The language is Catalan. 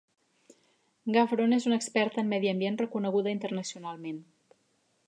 Gavron es una experta en medi ambient reconeguda internacionalment.